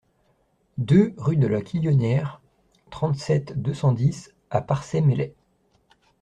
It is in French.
deux rue de la Quillonnière, trente-sept, deux cent dix à Parçay-Meslay